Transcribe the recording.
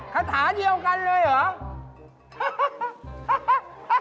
คาถาเดียวกันเลยเหรอ